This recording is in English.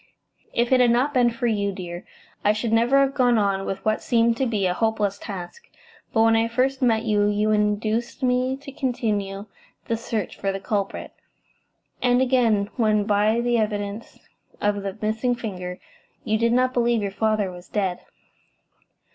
"If it had not been for you, dear, I should never have gone on with what seemed to be a hopeless task. But when I first met you you induced me to continue the search for the culprit, and again when, by the evidence of the missing finger, you did not believe your father was dead."